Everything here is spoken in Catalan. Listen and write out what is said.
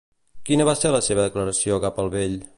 Quina va ser la seva declaració cap al vell?